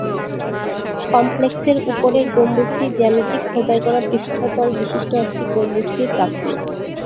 কমপ্লেক্সের উপরের গম্বুজটি জ্যামিতিক খোদাই করা পৃষ্ঠতল বিশিষ্ট একটি গম্বুজটির প্রাথমিক।